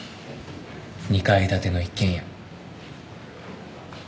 ２階建ての一軒家。